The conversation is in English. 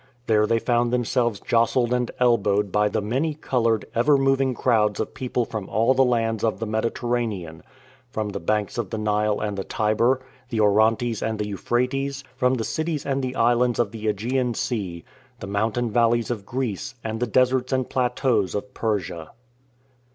There they found themselves jostled and elbowed by the many coloured, ever moving crowds of people from all the lands of the Mediterranean, from the banks of the Nile and the Tiber, the Orontes and the Euphrates, from the cities and the islands of the ^gean Sea, the mountain valleys of Greece and the deserts and plateaux of Persia.